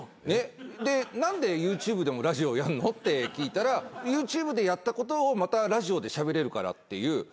で何でＹｏｕＴｕｂｅでもラジオやんの？って聞いたら「ＹｏｕＴｕｂｅでやったことをまたラジオでしゃべれるから」っていう。